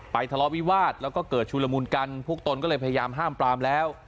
ทะเลาะวิวาสแล้วก็เกิดชุลมุนกันพวกตนก็เลยพยายามห้ามปรามแล้ว